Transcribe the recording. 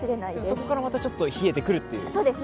ここからまたちょっと冷えてくるという感じですね。